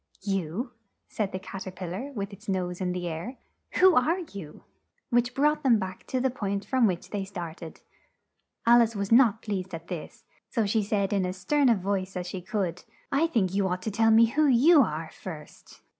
"You!" said the Cat er pil lar with its nose in the air. "Who are you?" Which brought them back to the point from which they start ed. Al ice was not pleased at this, so she said in as stern a voice as she could, "I think you ought to tell me who you are first."